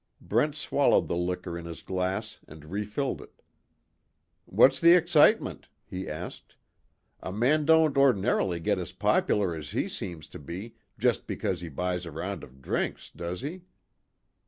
Brent swallowed the liquor in his glass and refilled it: "What's the excitement?" he asked, "A man don't ordinarily get as popular as he seems to be just because he buys a round of drinks, does he?"